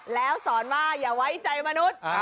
แล้วสอนว่าอย่าไว้ใจมนุษย์